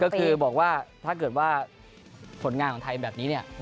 ก็คือบอกว่าถ้าเกิดว่าผลงานของไทยแบบนี้เนี่ย